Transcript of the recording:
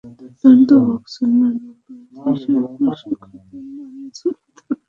শুধু দুর্দান্ত বক্সারই নন, অপরাধী হিসেবে পুলিশের খাতায় নামও ছিল তাঁর।